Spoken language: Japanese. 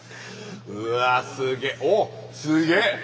うわすげおっすげっ！